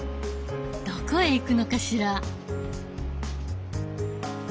どこへ行くのかしら？